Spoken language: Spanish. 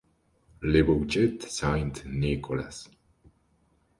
Le Bouchet-Saint-Nicolas